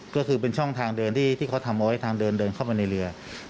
ก็คือเป็นช่องทางเดินที่เขาทำเอาไว้ทางเดินเดินเข้ามาในเรือ